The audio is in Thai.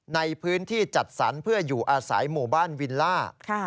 ในพื้นที่จัดสรรเพื่ออยู่อาศัยหมู่บ้านวิลล่า